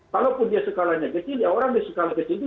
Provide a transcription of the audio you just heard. walaupun dia skalanya kecil orang di skala kecil itu